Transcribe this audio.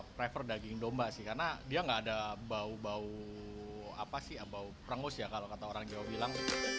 prefer daging domba sih karena dia tidak ada bau bau perengus ya kalau kata orang jawa bilang